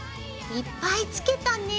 いっぱい付けたね。